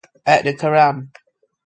At the Kerrang!